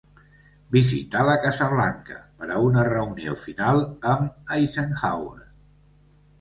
Visità la Casa Blanca per a una reunió final amb Eisenhower.